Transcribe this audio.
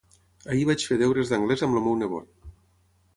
Ahir vaig fer deures d'anglès amb el meu nebot.